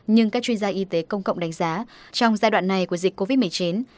nhưng các chuyên gia y tế công cộng đánh giá trong giai đoạn này của dịch covid một mươi chín